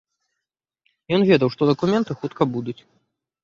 Ён ведаў, што дакументы хутка будуць.